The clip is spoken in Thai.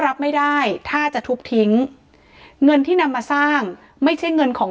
รับไม่ได้ถ้าจะทุบทิ้งเงินที่นำมาสร้างไม่ใช่เงินของ